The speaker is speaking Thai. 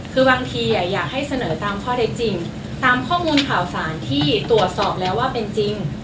คือบางทีอยากให้เสนอตามข้อเท็จจริงตามข้อมูลข่าวสารที่ตรวจสอบแล้วว่าเป็นจริง